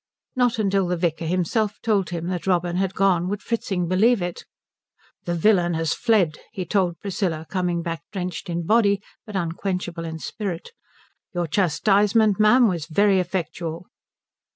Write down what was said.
Not until the vicar himself told him that Robin had gone would Fritzing believe it. "The villain has fled," he told Priscilla, coming back drenched in body but unquenchable in spirit. "Your chastisement, ma'am, was very effectual."